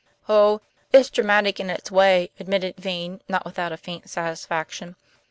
"Oh, it's dramatic in its way," admitted Vane, not without a faint satisfaction.